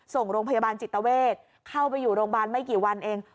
ส่งโรงพยาบาลจิตเวทเข้าไปอยู่โรงพยาบาลไม่กี่วันเอง